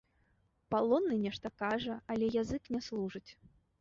Палонны нешта кажа, але язык не служыць.